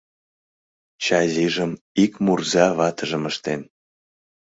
Чазижым ик мурза ватыжым ыштен.